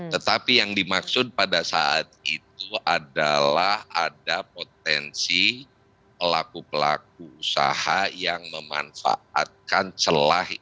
tetapi yang dimaksud pada saat itu adalah ada potensi pelaku pelaku usaha yang memanfaatkan celah